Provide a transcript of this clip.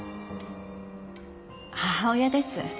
母親です